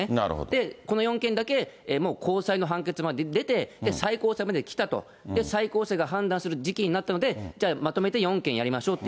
で、この４件だけ、もう高裁の判決まで出て、最高裁まで来たと。で、最高裁が判断する時期になったので、じゃあ、まとめて４件やりま